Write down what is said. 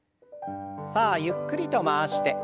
さあゆっくりと回して。